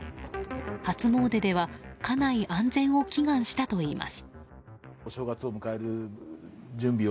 初詣では家内安全を祈願したといいます。